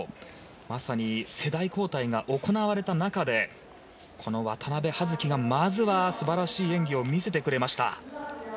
まさに世代交代が行われた中で渡部葉月が、まずは素晴らしい演技を見せてくれました。